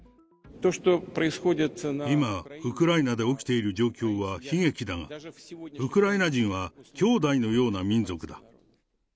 今、ウクライナで起きている状況は悲劇だが、ウクライナ人は兄弟のような民族だ。